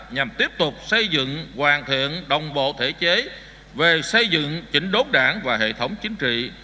nhằm tiếp tục xây dựng hoàn thiện đồng bộ thể chế về xây dựng chỉnh đốt đảng và hệ thống chính trị